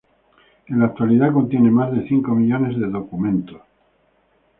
En la actualidad contiene más de cinco millones de documentos.